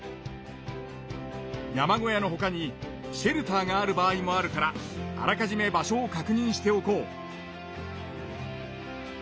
山小屋のほかにシェルターがある場合もあるからあらかじめ場所をかくにんしておこう。